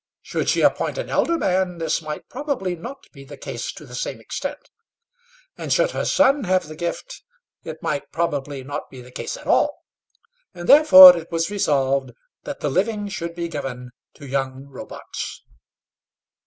Should she appoint an elder man, this might probably not be the case to the same extent; and should her son have the gift, it might probably not be the case at all. And therefore it was resolved that the living should be given to young Robarts.